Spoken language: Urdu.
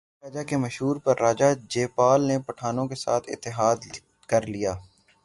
ایک بھٹی راجہ کے مشورے پر راجہ جے پال نے پٹھانوں کے ساتھ اتحاد کر لیا